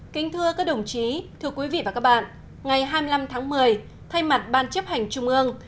kính thưa các đồng chí thưa quý vị và các bạn ngày hai mươi năm tháng một mươi thay mặt ban chấp hành trung ương